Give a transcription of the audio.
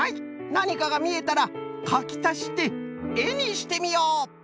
なにかがみえたらかきたしてえにしてみよう。